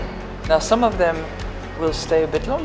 beberapa dari mereka akan tinggal lebih lama